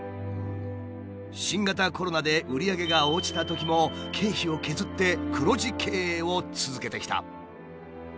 新型コロナで売り上げが落ちたときも経費を削って黒字経営を続けてきた。